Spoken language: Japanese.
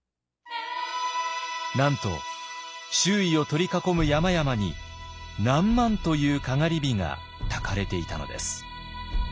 なんと周囲を取り囲む山々に何万というかがり火がたかれていたのです。